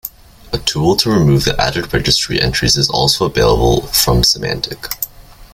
A tool to remove the added registry entries is also available from Symantec.